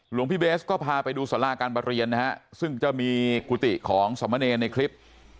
หลวงพี่เบสก็พาไปดูสาราการประเรียนนะฮะซึ่งจะมีกุฏิของสมเนรในคลิป